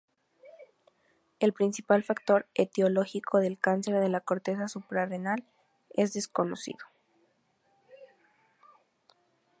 El principal factor etiológico del cáncer de la corteza suprarrenal es desconocido.